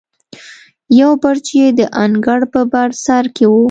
یو برج یې د انګړ په بر سر کې و.